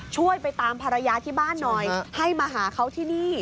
ช่วยไปตามภรรยาที่บ้านหน่อยให้มาหาเขาที่นี่